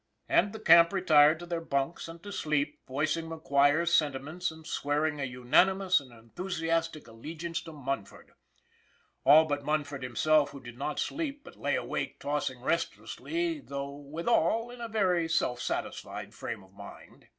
And the camp retired to their bunks and to sleep, voicing McGuire's sentiments and swearing a unan imous and enthusiastic allegiance to Munford; all but Munford himself who did not sleep but lay awake tossing restlessly though, withal, in a very self satis fied frame of mind.